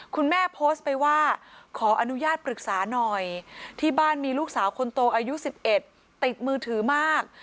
โพสต์ไปว่าขออนุญาตปรึกษาหน่อยที่บ้านมีลูกสาวคนโตอายุ๑๑ติดมือถือมาก